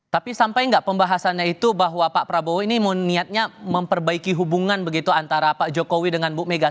tapi sampai nggak pembahasannya itu bahwa pak prabowo ini niatnya memperbaiki hubungan begitu antara pak jokowi dengan bu mega